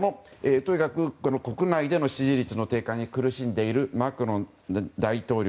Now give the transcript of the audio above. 国内での支持率の低下に苦しんでいるマクロン大統領。